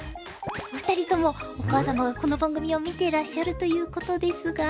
お二人ともお母様がこの番組を見ていらっしゃるということですが？